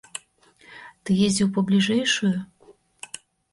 Ты ездзіў па бліжэйшую?